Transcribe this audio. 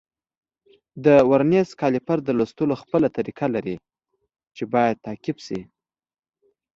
د ورنیز کالیپر د لوستلو خپله طریقه لري چې باید تعقیب شي.